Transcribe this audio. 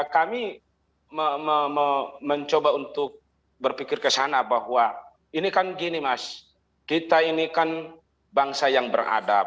kami mencoba untuk berpikir kesana bahwa ini kan gini mas kita ini kan bangsa yang beradab